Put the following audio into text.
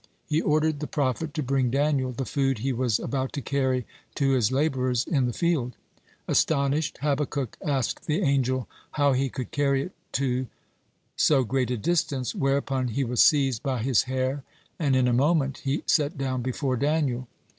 He ordered the prophet to bring Daniel the food he was about to carry to his laborers in the field. Astonished, Habakkuk asked the angel how he could carry it to so great a distance, whereupon he was seized by his hair, and in a moment set down before Daniel.